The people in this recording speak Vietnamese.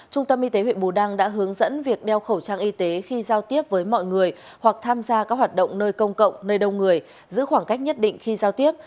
trung tâm y tế huyện bù đăng đã hướng dẫn việc đeo khẩu trang y tế khi giao tiếp với mọi người hoặc tham gia các hoạt động nơi công cộng nơi đông người giữ khoảng cách nhất định khi giao tiếp